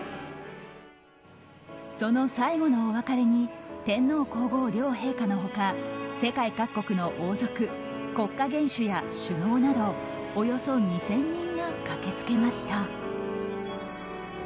その最後のお別れに天皇・皇后両陛下の他世界各国の王族国家元首や首脳などおよそ２０００人が駆けつけました。